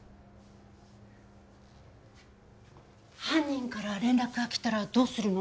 犯人から連絡が来たらどうするの？